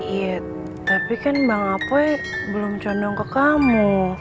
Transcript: iya tapi kan bang apoy belum condong ke kamu